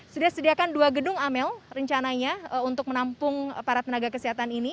sudah sediakan dua gedung amel rencananya untuk menampung para tenaga kesehatan ini